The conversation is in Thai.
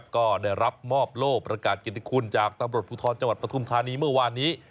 ก็ได้รับมอบโล่ประกาศกิติคุณจากตำรวจภูทรจังหวัดปฐุมธานีเมื่อวานนี้